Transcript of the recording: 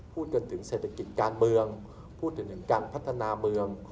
พูดกันถึงเศรษฐกิจการเมืองพูดถึงการพัฒนาเมือง